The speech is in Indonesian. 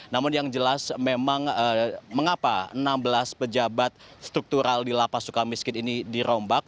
namun yang jelas memang mengapa enam belas pejabat struktural di lapas suka miskin ini dirombak